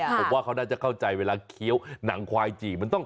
ผมว่าเขาน่าจะเข้าใจเวลาเคี้ยวหนังควายจีบมันต้อง